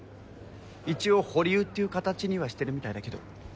一応保留っていう形にはしてるみたいだけど。